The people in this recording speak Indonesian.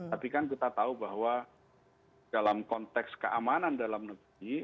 tapi kan kita tahu bahwa dalam konteks keamanan dalam negeri